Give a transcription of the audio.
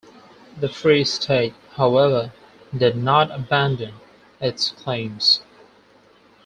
The Free State, however, did not abandon its claims.